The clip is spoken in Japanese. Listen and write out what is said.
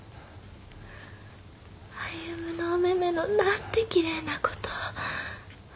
歩のおめめのなんてきれいなこと。